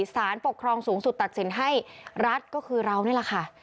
สารปกครองสูงสุดตัดสินให้รัฐก็คือเรานี่แหละค่ะ